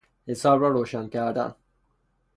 حساب را روشن کردن